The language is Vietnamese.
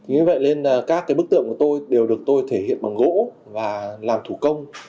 như vậy nên là các bức tượng của tôi đều được tôi thể hiện bằng gỗ và làm thủ công